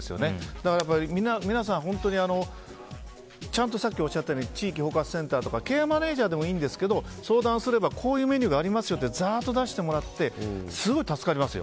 だから皆さん、本当にさっきおっしゃったように地域包括支援センターとかケアマネジャーでもいいんですけど相談すればこういうメニューがありますよってザーッと出してもらってすごく助かりますよ。